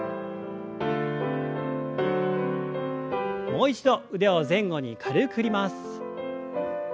もう一度腕を前後に軽く振ります。